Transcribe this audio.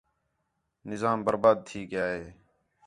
نظام برباد تھی ڳِیا ہِے